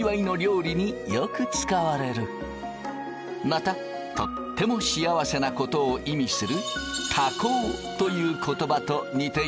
またとっても幸せなことを意味する多幸という言葉と似ている。